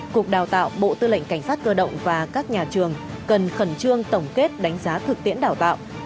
cục đào tạo bộ tư lệnh cảnh sát cơ động và các nhà trường cần khẩn trương tổng kết đánh giá thực tiễn đào tạo